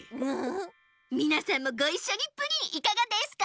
みなさんもごいっしょにプリンいかがですか？